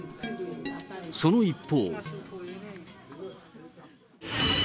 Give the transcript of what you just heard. その一方。